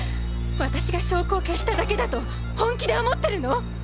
私が証拠を消しただけだと本気で思ってるの！？